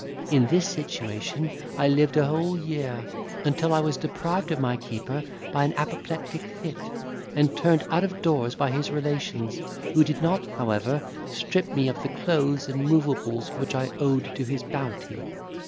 In this situation I lived a whole year, until I was deprived of my keeper by an apoplectic fit, and turned out of doors by his relations, who did not, however, strip me of the clothes and moveables which I owed to his bounty.